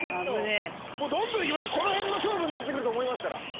どんどん行きましょうこの辺の勝負になって来ると思いますから。